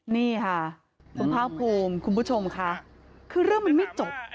นี่ค่ะคุณภาคภูมิคุณผู้ชมค่ะคือเรื่องมันไม่จบ